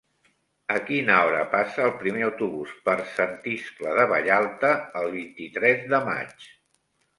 A quina hora passa el primer autobús per Sant Iscle de Vallalta el vint-i-tres de maig?